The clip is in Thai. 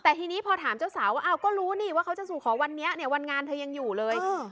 แต่ทีนี้พอถามเจ้าสาวว่าอ้าวก็รู้นี่ว่าเขาจะสู่ขอวันนี้เนี่ยวันงานเธอยังอยู่เลย